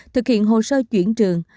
thực hiện hồ sơ chuyển trường